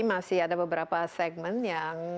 masih ada beberapa segmen yang